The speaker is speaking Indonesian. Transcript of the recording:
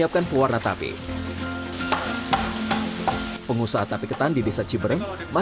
sedikit learns pemanasan dulu yamedi objetivo kita